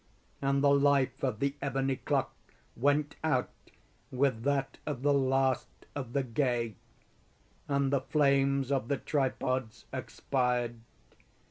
And the life of the ebony clock went out with that of the last of the gay. And the flames of the tripods expired.